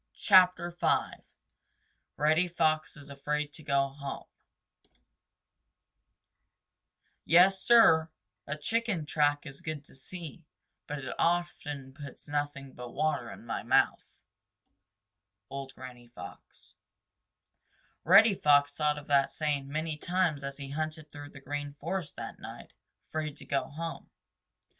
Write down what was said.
CHAPTER V Reddy Fox Is Afraid To Go Home Yes, Sir, a chicken track is good to see, but it often puts nothing but water in my mouth. —Old Granny Fox. Reddy Fox thought of that saying many times as he hunted through the Green Forest that night, afraid to go home.